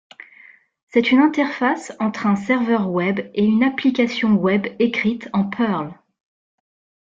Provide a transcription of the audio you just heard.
C'est une interface entre un serveur web et une application web écrite en Perl.